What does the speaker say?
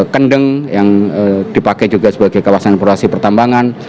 kendeng yang dipakai juga sebagai kawasan operasi pertambangan